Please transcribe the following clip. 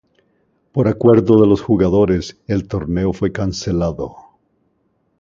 Por acuerdo de los jugadores, el torneo fue cancelado.